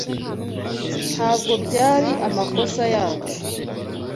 Ntabwo byari amakosa yacu.